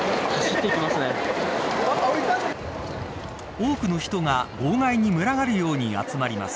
多くの人が号外に群がるように集まります。